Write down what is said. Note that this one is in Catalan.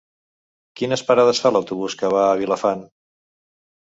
Quines parades fa l'autobús que va a Vilafant?